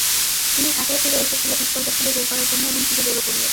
তুমি একাই ফিরে এসেছিলে পিস্তলটা খুঁজে বের করার জন্য এবং খুঁজে বেরও করলে!